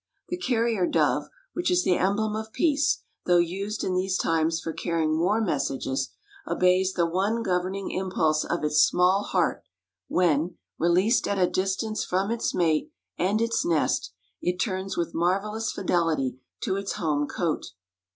The carrier dove, which is the emblem of peace, though used in these times for carrying war messages, obeys the one governing impulse of its small heart when, released at a distance from its mate and its nest, it turns with marvelous fidelity to its home cote.